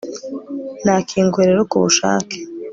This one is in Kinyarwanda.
nakinguye rero ku bushake